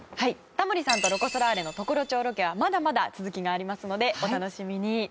タモリさんとロコ・ソラーレの常呂町ロケはまだまだ続きがありますのでお楽しみに。